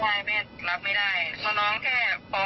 ว่ายแม่รับไม่ได้เพราะน้องแค่ฟ๖อ่ะ